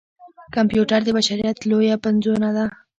کمپیوټر د بشريت لويه پنځونه ده.